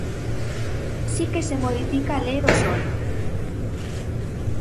Si que se modifica a Lei do solo.